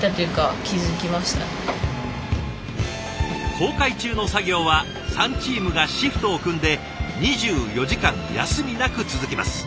航海中の作業は３チームがシフトを組んで２４時間休みなく続きます。